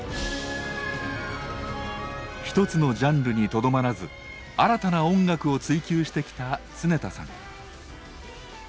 一つのジャンルにとどまらず新たな音楽を追究してきた常田さん。